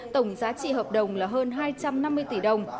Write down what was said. tổng giá trị hợp đồng là hơn hai trăm năm mươi tỷ đồng